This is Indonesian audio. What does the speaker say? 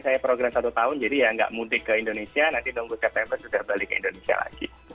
saya program satu tahun jadi ya nggak mudik ke indonesia nanti nunggu september sudah balik ke indonesia lagi